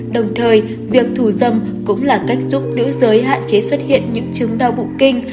đồng thời việc thù dâm cũng là cách giúp nữ giới hạn chế xuất hiện những chứng đau bụng kinh